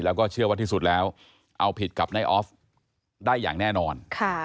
แล้วก็เชื่อว่าที่สุดแล้วเอาผิดกับนายออฟได้อย่างแน่นอน